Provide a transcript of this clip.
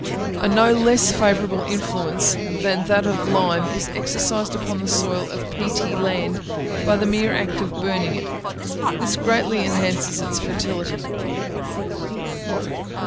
A no less favourable influence than that of lime is exercised upon the soil of peaty land by the mere act of burning it: this greatly enhances its fertility.